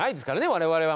我々は。